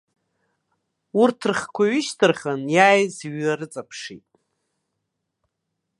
Урҭ рхқәа ҩышьҭырхын, иааиз иҩарыҵаԥшит.